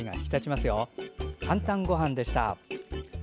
「かんたんごはん」でした。